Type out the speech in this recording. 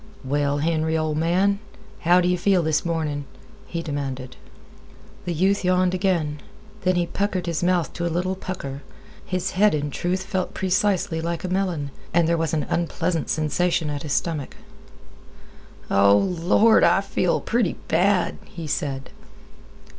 "Well, Henry, ol' man, how do yeh feel this mornin'?" he demanded. The youth yawned again. Then he puckered his mouth to a little pucker. His head, in truth, felt precisely like a melon, and there was an unpleasant sensation at his stomach. "Oh, Lord, I feel pretty bad," he said.